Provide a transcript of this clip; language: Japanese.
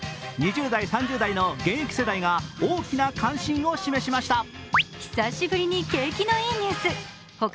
２０代、３０代の現役世代が大きな関心を示しました。